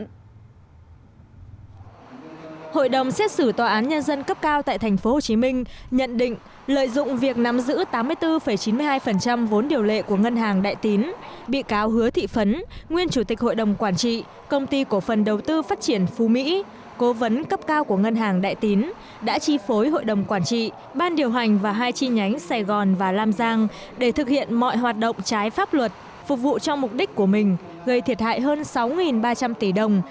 hội đồng xét xử tòa án nhân dân cấp cao tp hcm nhận định lợi dụng việc nắm giữ tám mươi bốn chín mươi hai vốn điều lệ của ngân hàng đại tín bị cáo hứa thị phấn nguyên chủ tịch hội đồng quản trị công ty cổ phần đầu tư phát triển phú mỹ cố vấn cấp cao của ngân hàng đại tín đã chi phối hội đồng quản trị ban điều hành và hai chi nhánh sài gòn và lam giang để thực hiện mọi hoạt động trái pháp luật phục vụ cho mục đích của mình gây thiệt hại hơn sáu ba trăm linh tỷ đồng